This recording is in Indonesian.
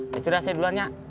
ya sudah saya dulannya